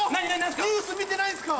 ニュース見てないですか？